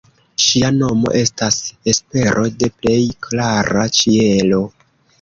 Ŝia nomo estas espero de plej klara ĉielo.